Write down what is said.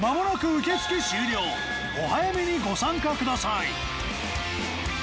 お早めにご参加ください。